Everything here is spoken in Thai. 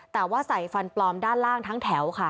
แต่ว่าใส่ฟันปลอมด้านล่างทั้งแถวค่ะ